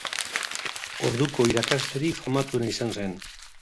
Orduko irakaslerik famatuena izan zen.